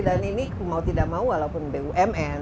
dan ini mau tidak mau walaupun bumn